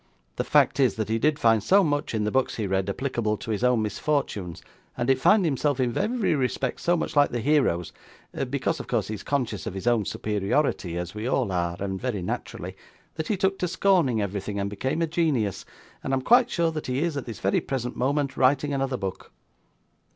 The fact is, that he did find so much in the books he read, applicable to his own misfortunes, and did find himself in every respect so much like the heroes because of course he is conscious of his own superiority, as we all are, and very naturally that he took to scorning everything, and became a genius; and I am quite sure that he is, at this very present moment, writing another book.